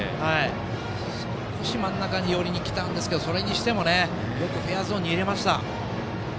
少し真ん中寄りに来たんですけどそれにしてもよくフェアゾーンに入れました。